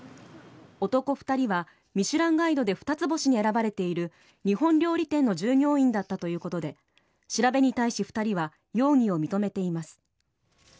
男２人はミシュランガイドで二つ星に選ばれている日本料理店の従業員だったということで調べに対し２人は容疑を認めています。